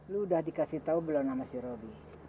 lu udah dikasih tahu belum nama si robi